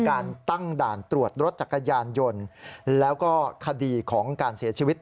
การตั้งด่านตรวจรถจักรยานยนต์แล้วก็คดีของการเสียชีวิต